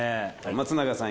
松永さん